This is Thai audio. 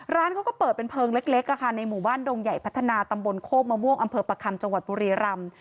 ร้านเขาก็เปิดเป็นเพลิงเล็กในหมู่บ้านดงใหญ่พัฒนาตำบลโคกมะม่วงอำเภอประคัมจังหวัดบุรีรำ